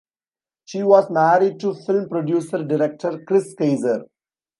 She was married to film producer-director Kris Keiser.